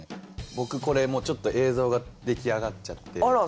僕これもうちょっと映像が出来上がっちゃって。